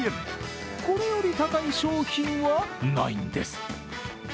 これより高い商品はないんです。